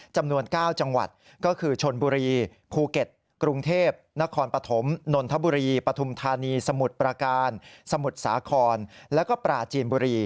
จำนวน๙จังหวัดก็คือชนบุรีภูเก็ตกรุงเทพนครปฐมนนทบุรีปฐุมธานีสมุทรประการสมุทรสาครแล้วก็ปราจีนบุรี